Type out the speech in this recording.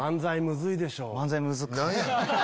何や？